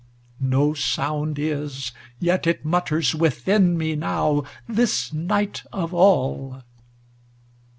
no sound is, yet it mutters Within me now, this night of all.